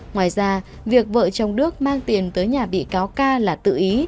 ngoài ra việc vợ chồng đức mang tiền tới nhà bị cáo ca là tự ý